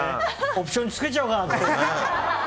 オプションつけちゃうか！って。